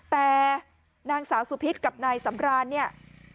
แต่นางสาวสุพิษกับนายสำรานเนี่ย